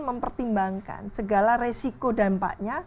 mempertimbangkan segala resiko dampaknya